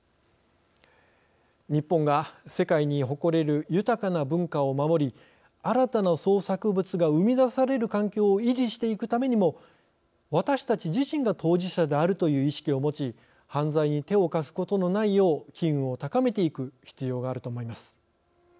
日本が世界に誇れる豊かな文化を守り新たな創作物が生み出される環境を維持していくためにも私たち自身が当事者であるという意識を持ち犯罪に手を貸すことのないよう機運を高めていく必要があると思います。